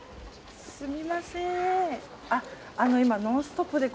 すみません。